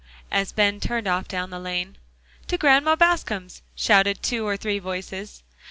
as Ben turned off down the lane. "To Grandma Bascom's," shouted two or three voices.